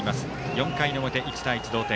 ４回の表、１対１、同点。